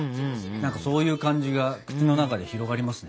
何かそういう感じが口の中で広がりますね。